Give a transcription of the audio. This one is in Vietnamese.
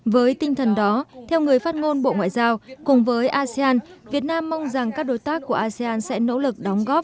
với tinh thần đó theo người phát ngôn bộ ngoại giao cùng với asean việt nam mong rằng các đối tác của asean sẽ nỗ lực đóng góp